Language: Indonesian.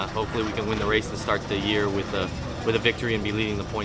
semoga kami bisa menang perang dan memulai tahun dengan kemenangan dan memimpin poin poin